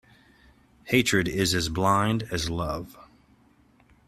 Hatred is as blind as love.